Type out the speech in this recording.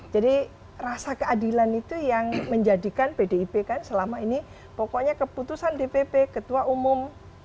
jadi rasa keadilan itu yang menjadikan pdip selama ini pokoknya keputusan dpp ketua umum